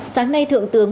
sáng nay thượng tướng